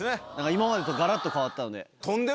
今までとがらっと変わったので。